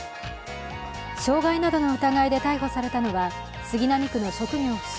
傷害などの疑いで逮捕されたのは杉並区の職業不詳